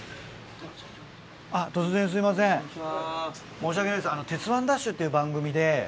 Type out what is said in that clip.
申し訳ないです『鉄腕！ＤＡＳＨ‼』っていう番組で。